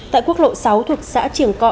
tại quốc lộ sáu thuộc xã triển cọ